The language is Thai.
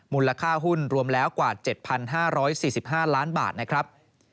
มูลค่าหุ้นรวมแล้วกว่า๗๕๔๕ล้านบาทนะครับ